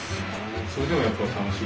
それでもやっぱり楽しい？